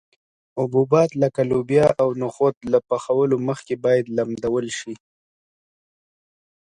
حبوبات لکه لوبیا او نخود له پخولو مخکې باید لمدول شي.